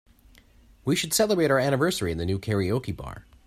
We should celebrate our anniversary in the new karaoke bar.